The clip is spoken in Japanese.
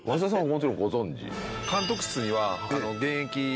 もちろんご存じ？